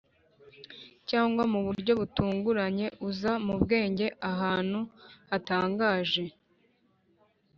cyangwa mu buryo butunguranye uza mu bwenge ahantu hatangaje;